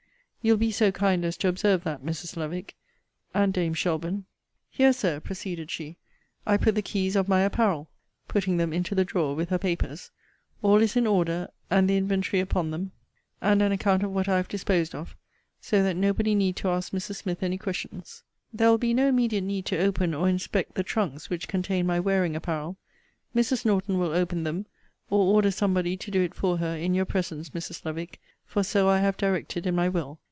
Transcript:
You'll be so kind as to observe that, Mrs. Lovick, and dame Shelbourne. Here, Sir, proceeded she, I put the keys of my apparel [putting them into the drawer with her papers]. All is in order, and the inventory upon them, and an account of what I have disposed of: so that nobody need to ask Mrs. Smith any questions. There will be no immediate need to open or inspect the trunks which contain my wearing apparel. Mrs. Norton will open them, or order somebody to do it for her, in your presence, Mrs. Lovick; for so I have directed in my will.